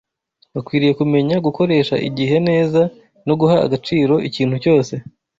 Bakwiriye kumenya gukoresha igihe neza no guha agaciro ikintu cyose